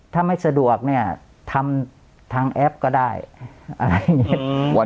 ถ้าไม่สะดวกเนี่ยทำทางแอปก็ได้อะไรอย่างนี้